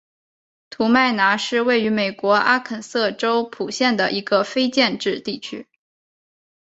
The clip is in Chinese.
士麦拿是位于美国阿肯色州波普县的一个非建制地区。